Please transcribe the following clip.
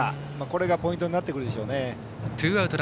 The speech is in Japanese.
これがポイントになるでしょうね。